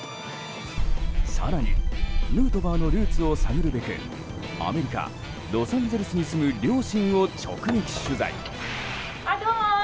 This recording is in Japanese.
更に、ヌートバーのルーツを探るべくアメリカ・ロサンゼルスに住む両親を直撃取材。